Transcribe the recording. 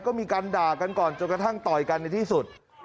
ก็มีการด่ากันก่อนจนกระทั่งต่อยกันในที่สุด